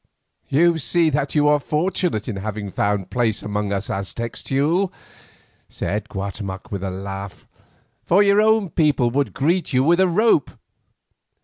"You see that you are fortunate in having found place among us Aztecs, Teule," said Guatemoc with a laugh, "for your own people would greet you with a rope."